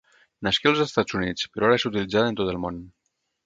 Nasqué als Estats Units, però ara és utilitzada en tot el món.